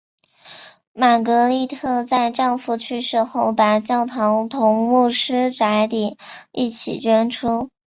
玛格丽特在丈夫去世后把教堂同牧师宅邸一起捐出。